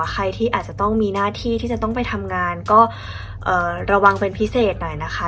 ใครที่อาจจะต้องมีหน้าที่ที่จะต้องไปทำงานก็ระวังเป็นพิเศษหน่อยนะคะ